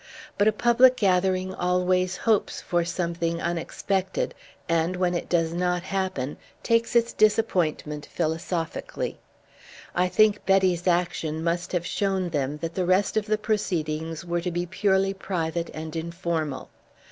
But a public gathering always hopes for something unexpected, and, when it does not happen, takes its disappointment philosophically. I think Betty's action must have shown them that the rest of the proceedings were to be purely private and informal.